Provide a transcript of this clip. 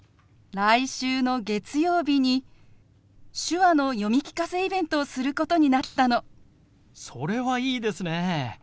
来週の月曜日に手話の読み聞かせイベントをすることになったの。それはいいですね。